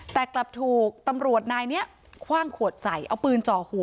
แต่กลับถูกตำรวจนายนี้คว่างขวดใส่เอาปืนจ่อหัว